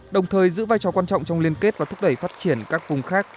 đồng thời giữ vai trò quan trọng trong liên kết và thúc đẩy phát triển các vùng khác